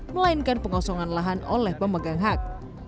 melainkan pengosongan lahan oleh pemegang hak